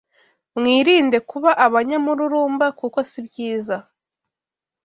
Mwirinde kuba abanyamururumba kuko sibyiza